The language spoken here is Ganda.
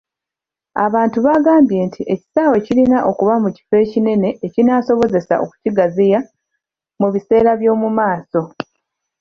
Abantu baagambye nti ekisaawe kirina okuba mu kifo ekinene ekinaasobozesa okukigaziya mu biseera by'omu maaso.